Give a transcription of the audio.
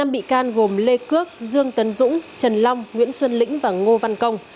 năm bị can gồm lê cước dương tấn dũng trần long nguyễn xuân lĩnh và ngô văn công